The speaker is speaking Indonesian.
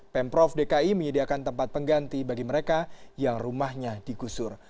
pemprov dki menyediakan tempat pengganti bagi mereka yang rumahnya digusur